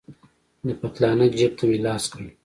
د پتلانه جيب ته مې لاس کړ.